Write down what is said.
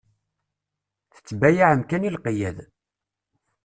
Tettbayaεem kan i lqeyyad.